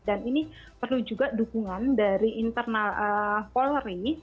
dan ini perlu juga dukungan dari internal polri